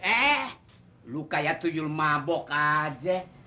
eh kamu seperti tujuh orang yang mabuk saja